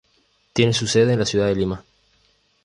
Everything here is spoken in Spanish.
Tiene su sede en la ciudad de Lima.